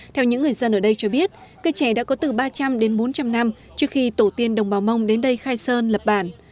theo những người dân ở đây cho biết cây trẻ đã có từ ba trăm linh đến bốn trăm linh năm trước khi tổ tiên đồng bào mông đến đây khai sơn lập bản